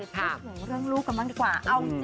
พูดถึงเรื่องลูกกันบ้างดีกว่า